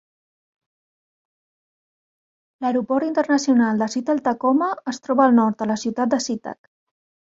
L'aeroport internacional de Seattle-Tacoma es troba al nord, a la ciutat de SeaTac.